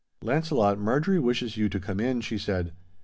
'Launcelot, Marjorie wishes you to come in,' she said.